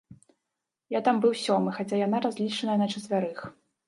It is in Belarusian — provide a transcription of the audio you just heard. Я там быў сёмы, хаця яна разлічаная на чацвярых.